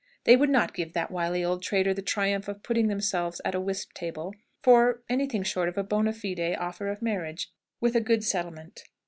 They would not give that wily old traitor the triumph of putting themselves at a whist table for for anything short of a bonâ fide offer of marriage, with a good settlement.